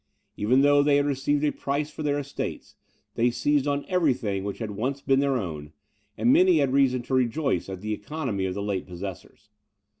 Even though they had received a price for their estates, they seized on every thing which had once been their own; and many had reason to rejoice at the economy of the late possessors.